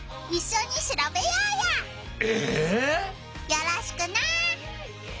よろしくな！